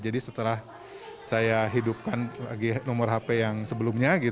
jadi setelah saya hidupkan lagi nomor hp yang sebelumnya